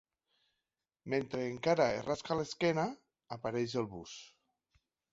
Mentre encara es rasca l'esquena, apareix el bus.